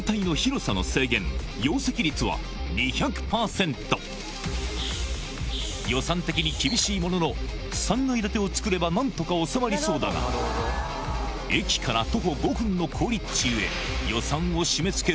さらに予算的に厳しいものの３階建てを造れば何とか収まりそうだが駅から徒歩５分の好立地故